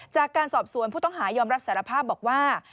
จากการสอบสวนผู้ต้องหายอมรับสารภาพบอกว่า